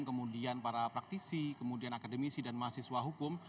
kemudian para praktisi kemudian akademisi dan mahasiswa hukum